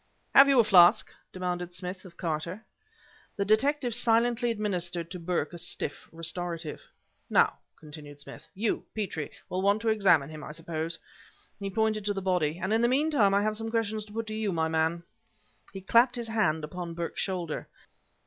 "Have you a flask?" demanded Smith of Carter. The detective silently administered to Burke a stiff restorative. "Now," continued Smith, "you, Petrie, will want to examine him, I suppose?" He pointed to the body. "And in the meantime I have some questions to put to you, my man." He clapped his hand upon Burke's shoulder.